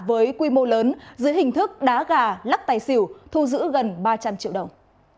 với quy mô lớn dưới hình thức đá gà lắc tài xỉu thu giữ gần ba trăm linh triệu đồng